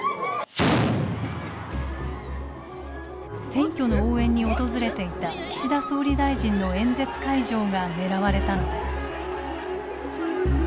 選挙の応援に訪れていた岸田総理大臣の演説会場が狙われたのです。